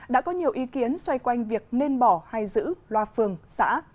đã có nhiều ý kiến xoay quanh việc nên bỏ hay giữ loa phường xã